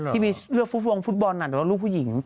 ที่เรียกในฟุตบอลแล้วลูกผู้หญิง